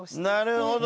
なるほど！